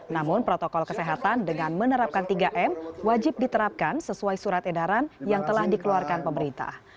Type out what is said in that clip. namun protokol kesehatan dengan menerapkan tiga m wajib diterapkan sesuai surat edaran yang telah dikeluarkan pemerintah